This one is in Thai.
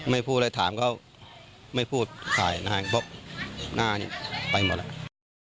ไม่พูดและถามก็ไม่พูดก็ขายให้บอกว่าหน้านี้ไปหมดแล้ว